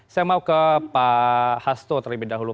saya mau ke pak hasto terlebih dahulu